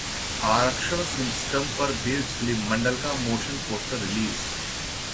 आरक्षण सिस्टम पर based film 'Mandal' का मोशन पोस्टर रिलीज